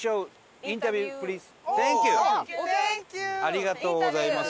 ありがとうございます。